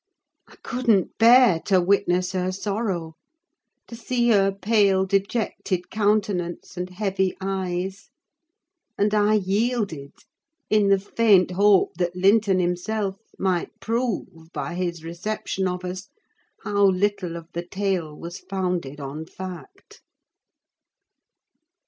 I couldn't bear to witness her sorrow: to see her pale, dejected countenance, and heavy eyes: and I yielded, in the faint hope that Linton himself might prove, by his reception of us, how little of the tale was founded on fact.